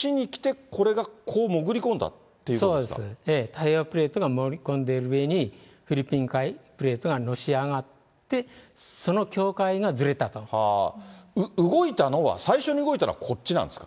太平洋プレートが潜り込んでいる上に、フィリピン海プレートがのし上がって、動いたのは、最初に動いたのはこっちなんですか？